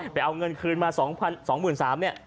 ไปเอาเงินคืนมา๒หมื่น๓เนี่ย